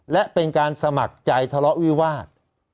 และเป็นการสมัครใจทะเลาะวิวาส